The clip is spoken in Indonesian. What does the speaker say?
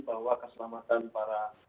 bahwa keselamatan para